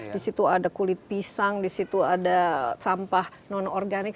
di situ ada kulit pisang di situ ada sampah non organik